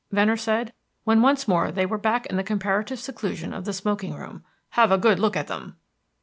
Venner said, when once more they were back in the comparative seclusion of the smoking room. "Have a good look at them."